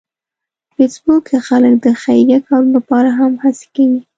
په فېسبوک کې خلک د خیریه کارونو لپاره هم هڅې کوي